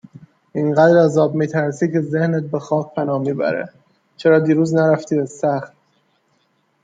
اینقدر از آب میترسی که ذهنت به خاک پناه میبره چرا دیروز نرفتی استخر؟